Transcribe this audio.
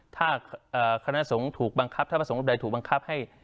ถ้าคณะสงฆ์ถูกบังคับถ้าพระสงฆ์รูปใดถูกบังคับให้